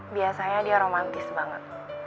biasanya dia romantis banget